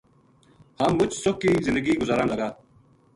ہم مُچ سُکھ کی زندگی گزاراں لگا